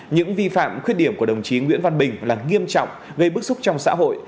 những vi phạm khuyết điểm của đồng chí nguyễn văn bình là nghiêm trọng gây bức xúc trong xã hội